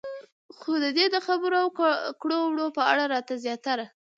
خو د دې د خبرو او کړو وړو په اړه راته زياتره